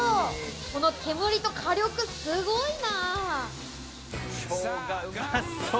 煙と火力すごいな！